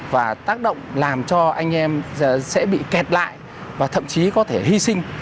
và tác động làm cho anh em sẽ bị kẹt lại và thậm chí có thể hy sinh